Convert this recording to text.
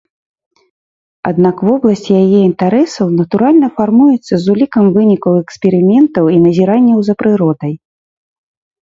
Аднак вобласць яе інтарэсаў, натуральна, фармуецца з улікам вынікаў эксперыментаў і назіранняў за прыродай.